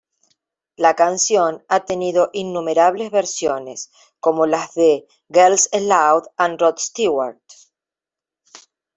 La canción ha tenido innumerables versiones como las de: Girls Aloud y Rod Stewart.